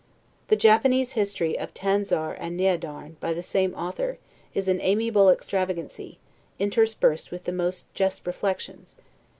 The Japanese history of "Tanzar and Neadarne," by the same author, is an amiable extravagancy, interspersed with the most just reflections.